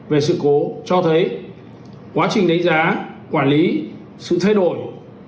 về sự cố cho thấy quá trình đánh giá quản lý sự thay đổi